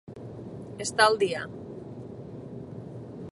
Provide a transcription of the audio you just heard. Estar al dia.